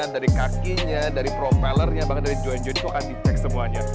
dari kakinya dari propellernya bahkan dari join join itu akan dicek semuanya